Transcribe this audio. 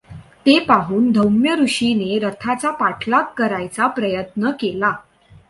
ते पाहून धौम्य ऋषींनी रथाचा पाठलाग करण्याचा प्रयत् न केला.